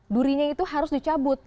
durinya itu harus dicabut